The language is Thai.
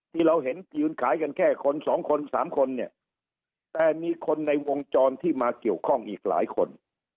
ที่เราเห็นยืนขายกันแค่คนสองคนสามคนเนี่ยแต่มีคนในวงจรที่มาเกี่ยวข้องอีกหลายคน